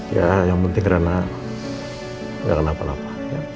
ya yang penting rena gak kenapa napa